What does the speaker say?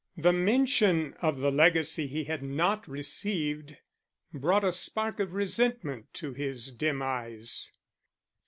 The mention of the legacy he had not received brought a spark of resentment to his dim eyes.